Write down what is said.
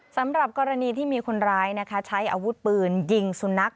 สำหรับกรณีที่มีคนร้ายใช้อาวุธปืนยิงสุนัข